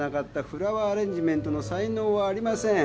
フラワーアレンジメントの才能はありません。